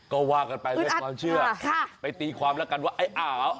ก็ว่ากันไปเรื่องความเชื่อค่ะไปตีความแล้วกันว่าไอ้อ้าว